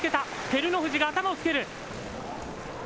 照ノ富士が頭をつける。